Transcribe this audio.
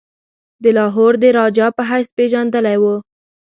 د لاهور د راجا په حیث پيژندلی وو.